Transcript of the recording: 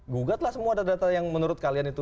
gugatlah semua data data yang menurut kalian itu